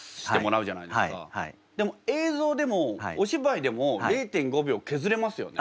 でも映像でもお芝居でも０．５秒削れますよね？